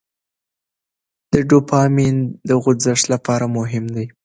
ډوپامین د خوځښت لپاره مهم دی.